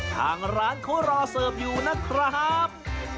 ทางร้านเขารอเสิร์ฟอยู่นะครับ